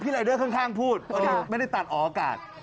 พี่ลายเดอร์ข้างพูดไม่ได้ตัดออกากาศ